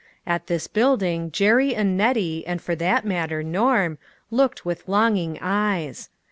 At this building Jerry and Nettie, and for that matter, Norm, looked with longing eyes.